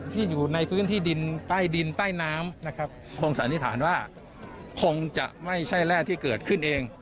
อยู่ในพื้นที่ดินใต้ดินใต้น้ำนะครับคงสันนิษฐานว่าคงจะไม่ใช่แร่ที่เกิดขึ้นเอง